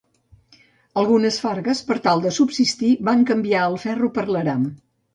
Algunes fargues, per tal de subsistir, van canviar el ferro per l'aram.